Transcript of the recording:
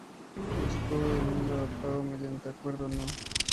El Escudo de Nilo, adoptado mediante Acuerdo No.